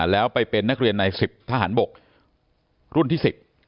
แล้วไปเป็นนักเรียนใน๑๐ทหารบกรุ่นที่๑๐